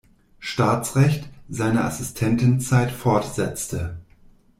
Staatsrecht, seine Assistentenzeit fortsetzte.